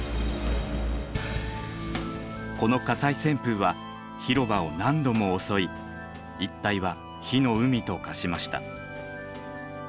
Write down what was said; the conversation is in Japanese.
この火災旋風は広場を何度も襲い一帯は火の海と化しました。